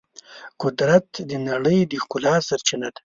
قدرت د نړۍ د ښکلا سرچینه ده.